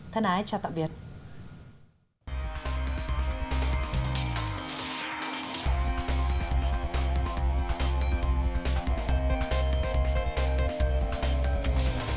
thân ái chào tạm biệt